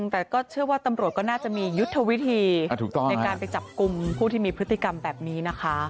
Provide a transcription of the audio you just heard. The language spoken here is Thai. แต่ก็เชื่อว่าตำรวจก็น่าจะมียุทธวิธีในการไปจับกลุ่มผู้ที่มีพฤติกรรมแบบนี้นะคะ